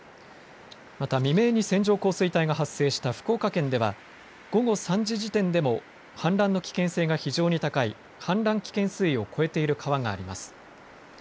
また未明に線状降水帯が発生した福岡県では午後３時時点でも氾濫の危険性が非常に高い氾濫危険水位を超えている川があります。